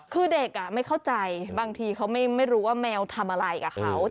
คือเด็กไม่เข้าใจบางทีเขาไม่รู้ว่าแมวทำอะไรกับเขา